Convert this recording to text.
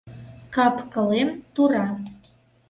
Кап-кылем тура.